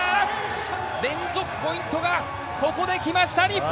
連続ポイントがここできました日本！